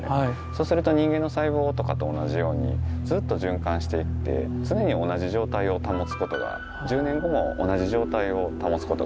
そうすると人間の細胞とかと同じようにずっと循環していって常に同じ状態を保つことが１０年後も同じ状態を保つことができるので。